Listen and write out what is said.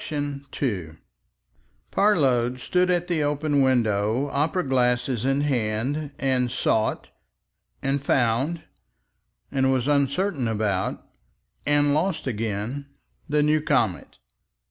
§ 2 Parload stood at the open window, opera glass in hand, and sought and found and was uncertain about and lost again, the new comet.